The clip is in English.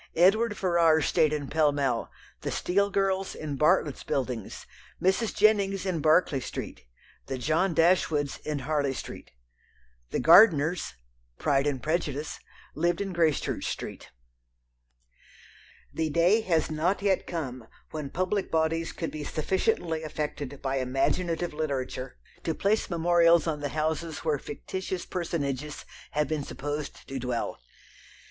Edward Ferrars stayed in Pall Mall, the Steele girls in Bartlett's Buildings, Mrs. Jennings in Berkeley Street, the John Dashwoods in Harley Street. The Gardiners (Pride and Prejudice) lived in Gracechurch Street. The day has not yet come when public bodies could be sufficiently affected by imaginative literature to place memorials on the houses where fictitious personages have been supposed to dwell.